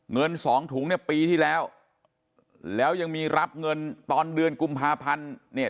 เงินสองถุงเนี่ยปีที่แล้วแล้วยังมีรับเงินตอนเดือนกุมภาพันธ์เนี่ย